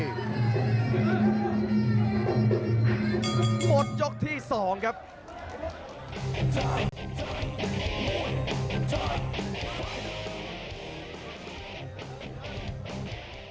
หมดยกที่๒ครับ